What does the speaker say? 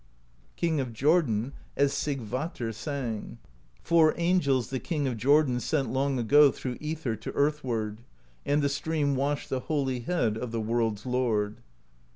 King of Jordan, as Sigvatr sang: Four angels the King of Jordan Sent long ago through aether To earthward; and the stream washed The holy head of the World's Lord.